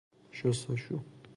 شست وشو